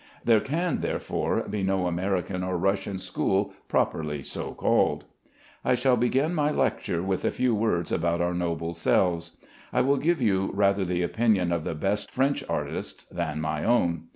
There can, therefore, be no American or Russian school properly so called. I shall begin my lecture with a few words about our noble selves. I will give you rather the opinion of the best French artists than my own.